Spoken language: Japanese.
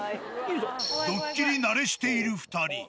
ドッキリ慣れしている２人。